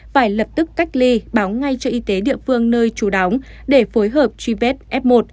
phải lập tức cách ly báo ngay cho y tế địa phương nơi trú đóng để phối hợp truy vết f một